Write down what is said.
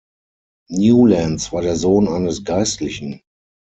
Newlands war der Sohn eines Geistlichen.